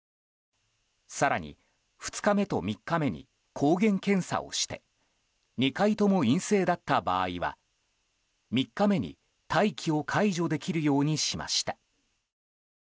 更に、２日目と３日目に抗原検査をして２回とも陰性だった場合は３日目に待機を解除できるようにしました。